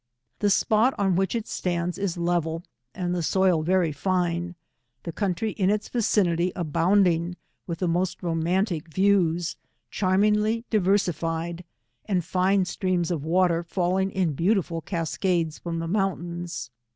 The spot on which it stands is level, and the soil very fine, the country in its vicinity abounding with the most romantic views, charm ingly diversified, and fine streams of water falling ia beautiful cascades from the mountains.